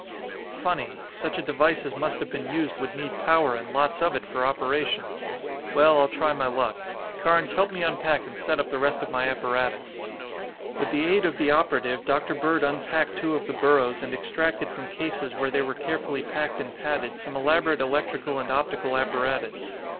"Funny! Such a device as must have been used would need power and lots of it for operation. Well, I'll try my luck. Carnes, help me unpack and set up the rest of my apparatus." With the aid of the operative, Dr. Bird unpacked two of the burros and extracted from cases where they were carefully packed and padded some elaborate electrical and optical apparatus.